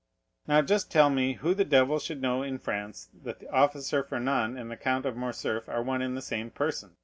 "Now, just tell me who the devil should know in France that the officer Fernand and the Count of Morcerf are one and the same person?